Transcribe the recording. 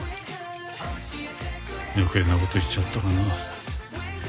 余計なこと言っちゃったかな。